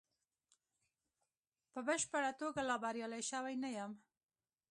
په بشپړه توګه لا بریالی شوی نه یم.